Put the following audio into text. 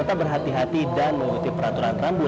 terima kasih pak